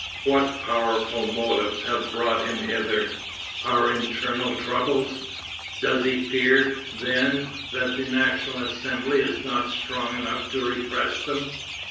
What powerful motives have brought him hither? Our internal troubles? Does he fear, then, that the National Assembly is not strong enough to repress them?